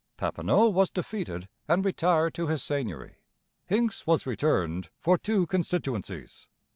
Papineau was defeated and retired to his seigneury. Hincks was returned for two constituencies.